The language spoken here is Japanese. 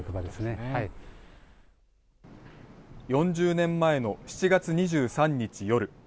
４０年前の７月２３日夜。